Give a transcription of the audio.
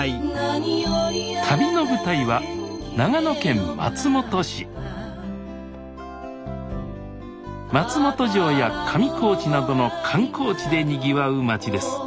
旅の舞台は松本城や上高地などの観光地でにぎわう町です